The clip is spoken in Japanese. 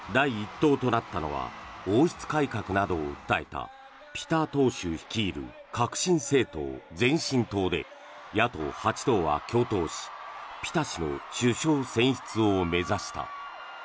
党となったのは王室改革などを訴えたピタ党首率いる革新政党前進党で野党８党は共闘しピタ氏の首相選出を目指した。